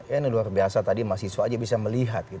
ini luar biasa tadi mahasiswa aja bisa melihat